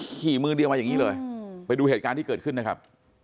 ขี่มือเดียวมาอย่างนี้เลยไปดูเหตุการณ์ที่เกิดขึ้นนะครับ